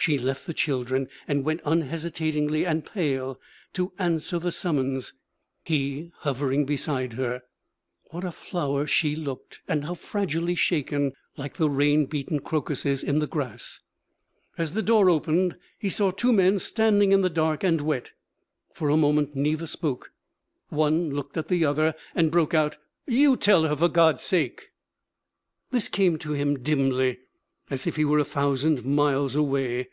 She left the children and went unhesitating and pale to answer the summons, he hovering beside her. What a flower she looked and how fragilely shaken, like the rain beaten crocuses in the grass! As the door opened he saw two men standing in the dark and wet. For a moment neither spoke. One looked at the other, and broke out, 'You tell her, for God's sake!' This came to him dimly as if he were a thousand miles away.